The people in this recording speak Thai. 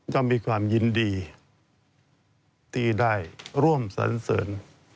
ก็มีความยินดีที่ได้ร่วมสันเสริญ